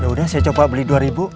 ya udah saya coba beli dua ribu